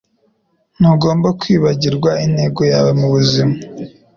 Ntugomba kwibagirwa intego yawe mubuzima.